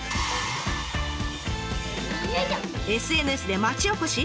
ＳＮＳで町おこし。